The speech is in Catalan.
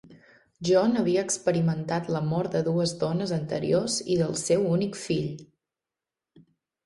John havia experimentat la mort de dues dones anteriors i del seu únic fill.